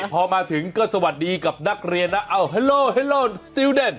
พอมาถึงก็สวัสดีกับนักเรียนน่ะอ้าวฮัลโหลฮัลโหลสติวเดน